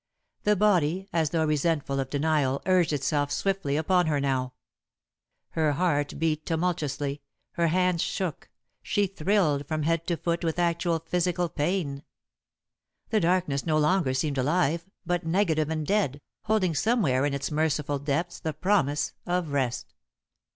The body, as though resentful of denial, urged itself swiftly upon her now. Her heart beat tumultuously, her hands shook, she thrilled from head to foot with actual physical pain. The darkness no longer seemed alive, but negative and dead, holding somewhere in its merciful depths the promise of rest.